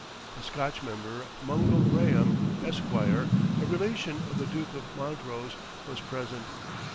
A Scotch member, Mungo Graham, Esquire, a relation of the Duke of Montrose, was present.